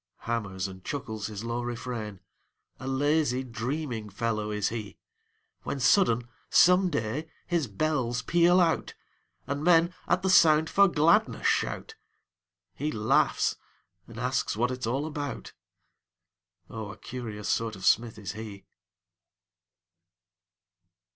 Hammers and chuckles his low refrain, A lazy, dreaming fellow is he: When sudden, some day, his bells peal out, And men, at the sound, for gladness shout; He laughs and asks what it's all about; Oh, a curious sort of smith is he.